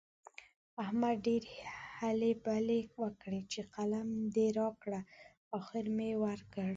احمد ډېرې هلې بلې وکړې چې قلم دې راکړه؛ اخېر مې ورکړ.